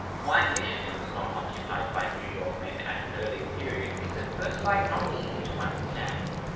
Why Michigan was not occupied by New York men at an earlier period is at first sight not easy to understand.